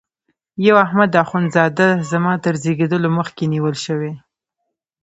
یو احمد اخوند زاده زما تر زیږېدلو مخکي نیول شوی.